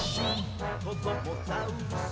「こどもザウルス